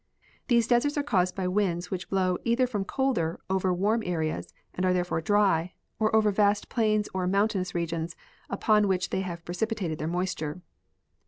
These deserts are caused by the winds which blow either from colder over warm areas and are therefore dry, or over vast plains or mountainous regions upon which they have precipitated their moisture.